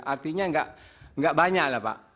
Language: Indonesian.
artinya tidak banyak pak